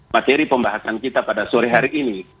materi pembahasan kita pada sore hari ini